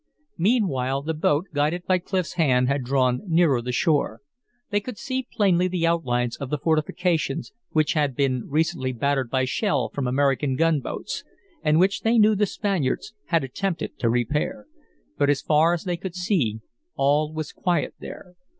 Meanwhile the boat, guided by Clif's hand, had drawn nearer the shore. They could see plainly the outlines of the fortifications, which had been recently battered by shell from American gunboats, and which they knew the Spaniards had attempted to repair. But as far as they could see all was quiet there.